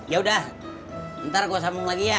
yaudah ntar gua sambung lagi ya